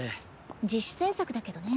自主制作だけどね。